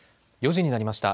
４時になりました。